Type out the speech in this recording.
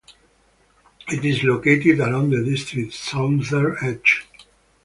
It is located along the district's southern edge.